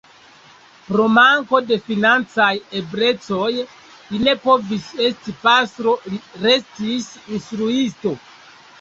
Pro manko de financaj eblecoj li ne povis esti pastro, li restis instruisto.